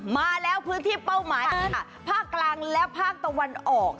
มาแล้วพื้นที่เป้าหมายเลยค่ะภาคกลางและภาคตะวันออก